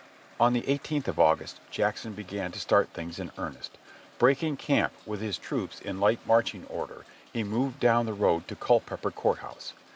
On the eighteenth of August Jackson began to start things in earnest. Breaking camp with his troops in light marching order he moved down the road to Culpeper Court House.